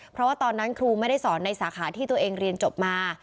เพราะว่าตอนนั้นครูไม่ได้สอนในสาขาที่ตัวเองเรียนจบมา